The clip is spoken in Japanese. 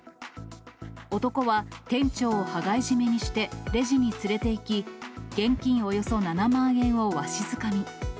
男は店長を羽交い絞めにしてレジに連れていき、現金およそ７万円をわしづかみ。